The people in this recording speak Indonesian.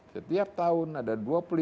setiap tahun ada